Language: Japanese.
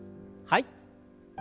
はい。